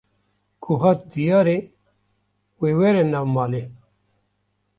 Ku hat diyarê, wê were nav malê